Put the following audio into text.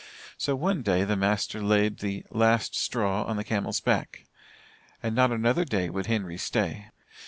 So one day the master laid the "last straw on the camel's back," and not another day would Henry stay.